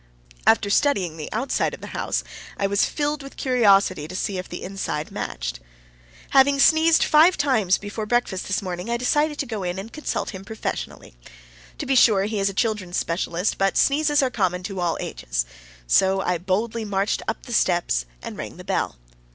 After studying the outside of his house, I was filled with curiosity to see if the inside matched. Having sneezed five times before breakfast this morning, I decided to go in and consult him professionally. To be sure, he is a children's specialist, but sneezes are common to all ages. So I boldly marched up the steps and rang the bell.